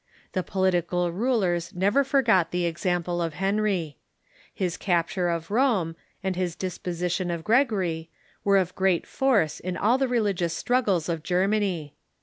The political rulers never forgot the example of Henry. His capture of Rome, and his disposition of Gregory, were of great force in all the religious struggles of Germany.